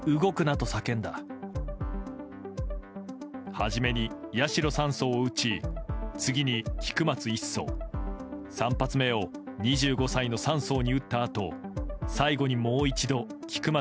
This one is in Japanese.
初めに八代３曹を撃ち次に菊松１曹３発目を２５歳の３曹に撃ったあと最後にもう一度、菊松